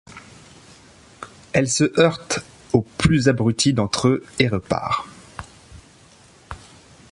Elle se heurte aux plus abrutis d’entre eux et repart.